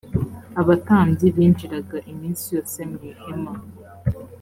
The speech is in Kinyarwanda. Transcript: abatambyi binjiraga iminsi yose mu ihema